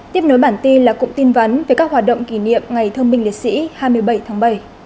tiếp nối bản tin là cụm tin vắn về các hoạt động kỷ niệm ngày thương binh liệt sĩ hai mươi bảy tháng bảy